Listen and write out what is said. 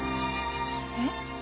えっ？